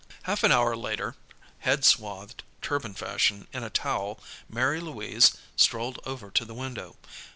Half an hour later, head swathed turban fashion in a towel, Mary Louise strolled over to the window.